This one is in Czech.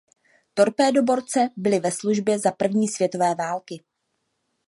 Torpédoborce byly ve službě za první světové války.